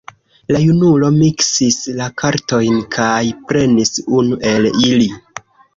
La junulo miksis la kartojn kaj prenis unu el ili.